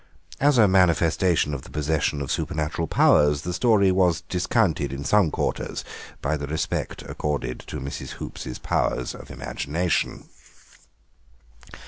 As a manifestation of the possession of supernatural powers, the story was discounted in some quarters by the respect accorded to Mrs. Hoops' powers of imagination.